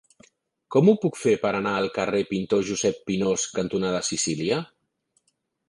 Com ho puc fer per anar al carrer Pintor Josep Pinós cantonada Sicília?